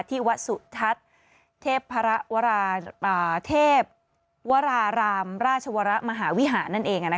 ที่วัดสุทัศน์เทพวราเทพวรารามราชวรมหาวิหารนั่นเอง